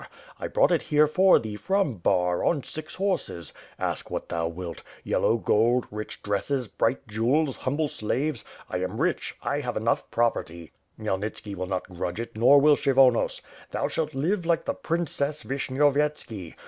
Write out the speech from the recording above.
I brought it h€re for thee from Bar, on six horses. Ask what thou wilt — yellow gold, rich dresses, bright jewels, humble slaves! I am rich, I have enough property. Khmyelnitski will not grudge it nor will Kshjrvonos. Thou shaJt live like the Princess Vishniovyetski.